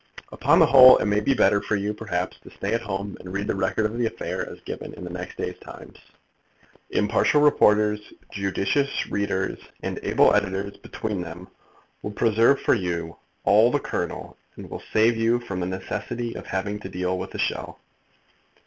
Upon the whole it may be better for you, perhaps, to stay at home and read the record of the affair as given in the next day's Times. Impartial reporters, judicious readers, and able editors between them will preserve for you all the kernel, and will save you from the necessity of having to deal with the shell.